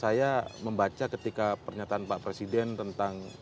saya membaca ketika pernyataan pak presiden tentang